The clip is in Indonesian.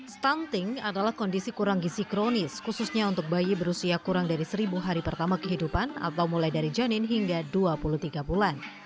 stunting adalah kondisi kurang gizi kronis khususnya untuk bayi berusia kurang dari seribu hari pertama kehidupan atau mulai dari janin hingga dua puluh tiga bulan